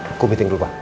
aku meeting dulu pak